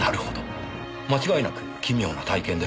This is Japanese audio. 間違いなく奇妙な体験でしたね。